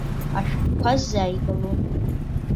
Ашәҟәқәа сзааигалон.